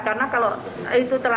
karena kalau itu telah